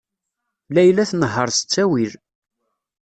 Layla tnehheṛ s ttawil.